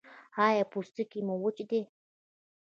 ایا پوستکی مو وچ دی؟